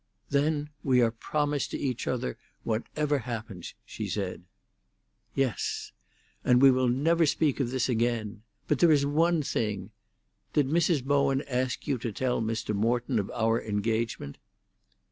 "Then we are promised to each other, whatever happens," she said. "Yes." "And we will never speak of this again. But there is one thing. Did Mrs. Bowen ask you to tell Mr. Morton of our engagement?"